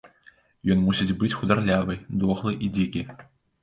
Ён мусіць быць хударлявы, дохлы і дзікі.